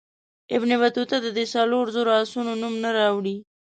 ابن بطوطه د دې څلورو زرو آسونو نوم نه راوړي.